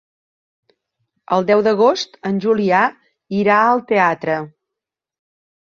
El deu d'agost en Julià irà al teatre.